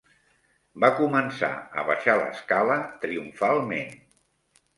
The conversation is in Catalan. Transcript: Va començar a baixar l'escala triomfalment